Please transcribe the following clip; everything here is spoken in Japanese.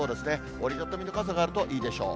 折り畳みの傘があるといいでしょう。